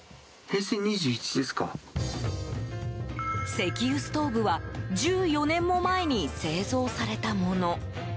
石油ストーブは１４年も前に製造されたもの。